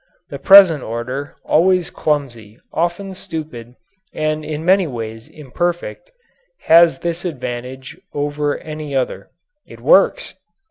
The present order, always clumsy, often stupid, and in many ways imperfect, has this advantage over any other it works.